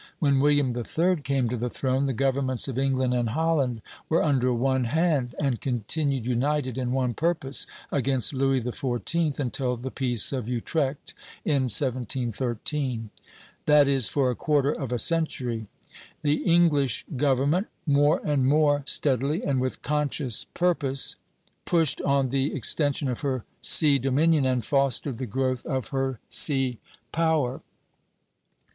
When William III. came to the throne, the governments of England and Holland were under one hand, and continued united in one purpose against Louis XIV. until the Peace of Utrecht in 1713; that is, for a quarter of a century. The English government more and more steadily, and with conscious purpose, pushed on the extension of her sea dominion and fostered the growth of her sea power.